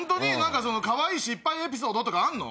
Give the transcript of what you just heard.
かわいい失敗エピソードとかあんの？